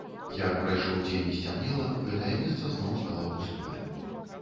Як прайшоў дзень і сцямнела, гэтае месца зноў стала пустое.